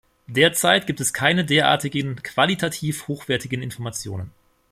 Derzeit gibt es keine derartigen qualitativ hochwertigen Informationen.